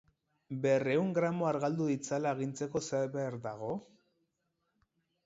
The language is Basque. Berrehun gramo argaldu ditzala agintzeko zer behar dago?